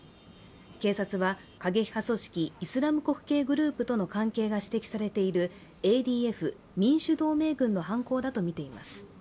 警察は過激派組織イスラム国系グループとの関係が指摘されているＡＤＦ＝民主同盟軍の犯行だとみています。